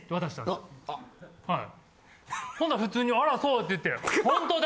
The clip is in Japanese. ほんだら普通に「あらそう」って言って「ホントだ！」